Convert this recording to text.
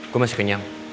gue masih kenyang